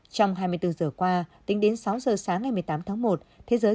trong hai mươi bốn giờ qua tính đến sáu giờ sáng ngày một mươi tám tháng một